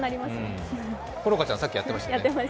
好花ちゃん、さっきやってましたね